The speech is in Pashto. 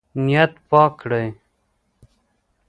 نیت پاک کړئ.